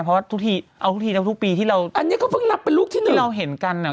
เพราะว่าทุกทีเอาทุกทีแล้วทุกปีที่เราอันนี้ก็เพิ่งนับเป็นลูกที่หนึ่งเราเห็นกันอ่ะ